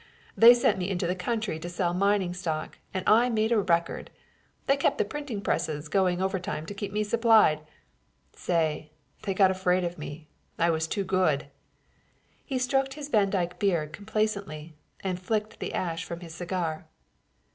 They sent me into the country to sell mining stock and I made a record. They kept the printing presses going overtime to keep me supplied. Say, they got afraid of me; I was too good!" He stroked his vandyke beard complacently, and flicked the ash from his cigar.